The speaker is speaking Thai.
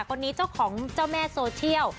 คนนี้เจ้าของเจ้าแม่โซเชียล